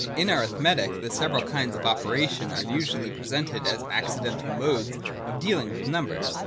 In arithmetic the several kinds of operation are usually presented as accidental modes of dealing with numbers.